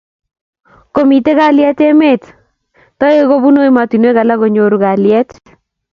Komitei kalyet emet ,toek kobun emotinwek alak konyoru kalyet.